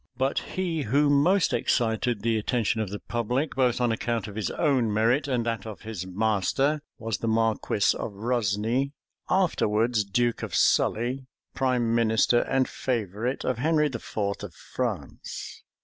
But he who most excited the attention of the public, both on account of his own merit and that of his master, was the marquis of Rosni, afterwards duke of Sully, prime minister and favorite of Henry IV. of France.